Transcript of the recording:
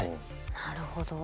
なるほど。